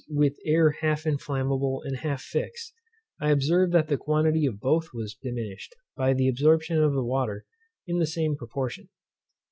with air half inflammable and half fixed, I observed that the quantity of both was diminished, by the absorption of the water, in the same proportion.